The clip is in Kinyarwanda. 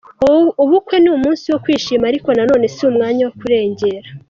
Ubukwe ni umunsi wo kwishima ariko na none si umwanya wo kurengera.